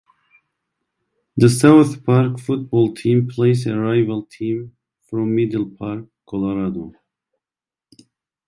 The South Park football team plays a rival team from Middle Park, Colorado.